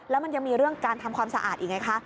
แล้วมันยังมีเรื่องการทำความสะอาดอีกไงคะ